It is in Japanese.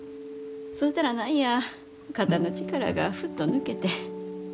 そしたら何や肩の力がフッと抜けて。